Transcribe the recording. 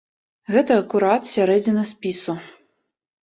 Гэта акурат сярэдзіна спісу.